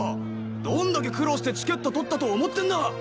どんだけ苦労してチケット取ったと思ってんだ！